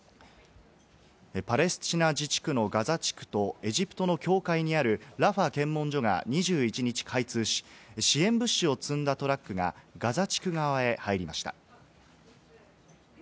パレスチナ自治区のガザ地区とエジプトの境界にあるラファ検問所が２１日開通し、支援物資を積んだトラックがガザ地区側へ入りました。